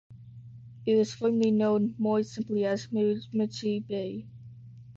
It was formerly known more simply as Miramichi Bay.